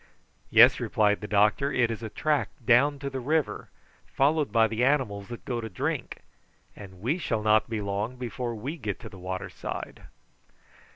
"Yes," replied the doctor, "it is a track down to the river, followed by the animals that go to drink, and we shall not be long before we get to the water side."